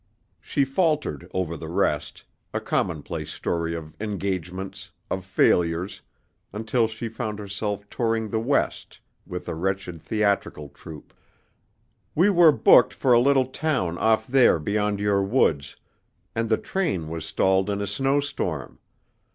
She faltered over the rest a commonplace story of engagements, of failures, until she found herself touring the West with a wretched theatrical troupe. "We were booked for a little town off there beyond your woods, and the train was stalled in a snowstorm.